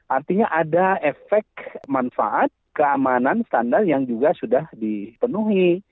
artinya ada efek manfaat keamanan standar yang juga sudah dipenuhi